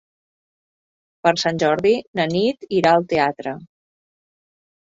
Per Sant Jordi na Nit irà al teatre.